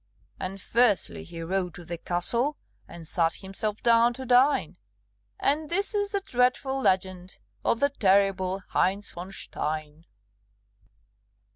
And fiercely he rode to the castle And sat himself down to dine; And this is the dreadful legend Of the terrible Heinz von Stein.